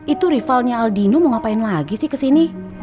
itu rivalnya aldino mau ngapain lagi sih kesini